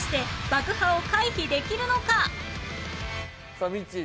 さあみっちー